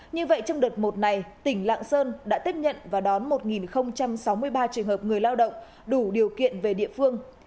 như vậy trong đợt một này tỉnh lạng sơn đã tiếp nhận và đón một sáu mươi ba trường hợp người lao động đủ điều kiện về địa phương